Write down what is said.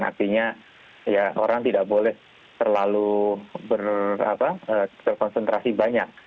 karena artinya orang tidak boleh terlalu berkonsentrasi banyak